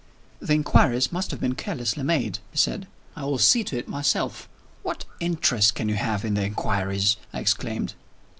"The inquiries must have been carelessly made," he said. "I will see to it myself." "What interest can you have in the inquiries?" I exclaimed.